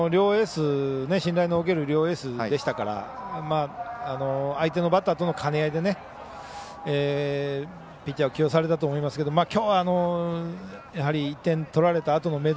信頼の置ける両エースでしたから相手のバッターとの兼ね合いでピッチャー起用されたと思いますがきょうは、１点取られたあとの明徳